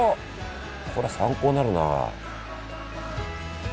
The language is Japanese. これ参考になるな。